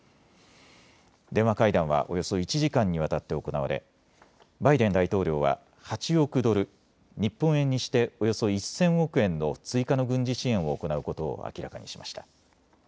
電話会談はおよそ１時間にわたって行われバイデン大統領は８億ドル、日本円にしておよそ１０００億円の追加の軍事支援を行うことを明らかにしました。